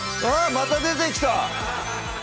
また出てきた！